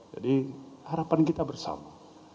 jadi harapan kita bersama